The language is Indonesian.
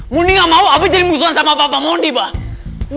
mundi nggak mau abah jadi musuhan sama papa mundi maud